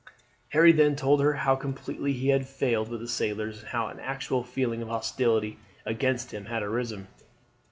Harry then told her how completely he had failed with the sailors, and how an actual feeling of hostility against him had arisen.